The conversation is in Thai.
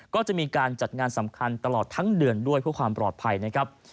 ก็จะมีการจัดงานสำคัญตลอดทั้งเดือนด้วยเพื่อความปลอดภัยนะครับ